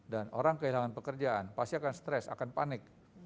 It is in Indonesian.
dan orang kehilangan pekerjaan pasti akan stres akan panik